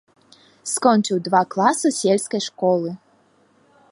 Скончыў два класы сельскай школы.